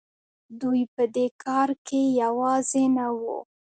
دوی په دې کار کې یوازې نه وو.